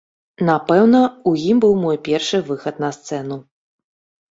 Напэўна, у ім быў мой першы выхад на сцэну.